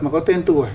mà có tên tuổi